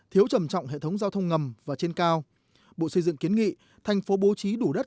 thiếu trầm trọng hệ thống giao thông ngầm và trên cao bộ xây dựng kiến nghị thành phố bố trí đủ đất